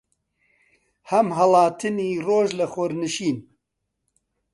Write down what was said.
هەم هەڵاتنی ڕۆژ لە خۆرنشین